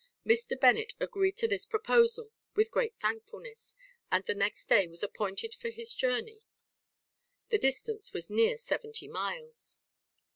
Mr. Bennet agreed to this proposal with great thankfulness, and the next day was appointed for his journey. The distance was near seventy miles.